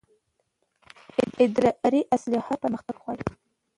اداري اصلاح پرمختګ غواړي